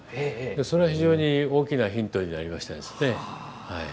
それが非常に大きなヒントになりました。